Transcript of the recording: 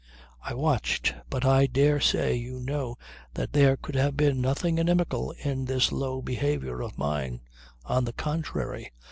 I watched; but I dare say you know that there could have been nothing inimical in this low behaviour of mine. On the contrary.